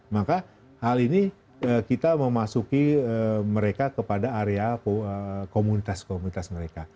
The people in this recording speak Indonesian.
maka hal ini kita memasuki mereka kepada area komunitas komunitas mereka